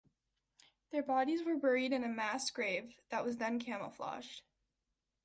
Their bodies were buried in a mass grave that was then camouflaged.